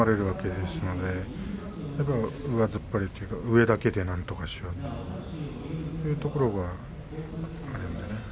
だから上突っ張りというか上だけでなんとかしようとそういうところがあるんでね。